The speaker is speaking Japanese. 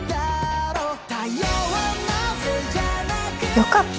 よかった？